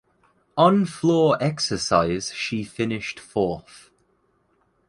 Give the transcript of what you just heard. On floor exercise she finished fourth.